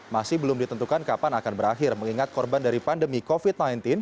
masih belum ditentukan kapan akan berakhir mengingat korban dari pandemi covid sembilan belas